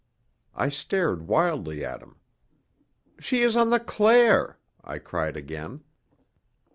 I stared wildly at him. "She is on the Claire!" I cried again.